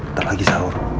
ntar lagi sahur